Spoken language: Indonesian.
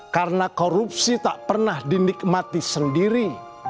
karena korupsi tak pernah dinikmati sendiri